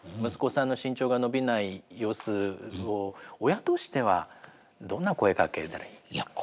息子さんの身長が伸びない様子を親としてはどんな声かけしたらいい。